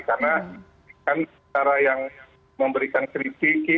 karena cara yang memberikan kritik